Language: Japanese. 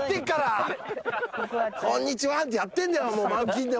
こんにちワンってやってんだよ。